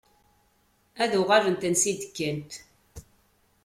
Ad uɣalent ansa i d-kkant.